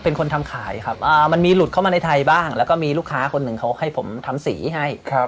เป็นคนทำขายครับมันมีหลุดเข้ามาในไทยบ้างแล้วก็มีลูกค้าคนหนึ่งเขาให้ผมทำสีให้